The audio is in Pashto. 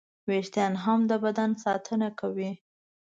وېښتيان هم د بدن ساتنه کوي.